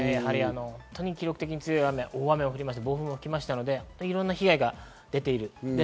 記録的に強い雨、大雨が降りました、暴風も吹きましたので、いろんな被害が出ています。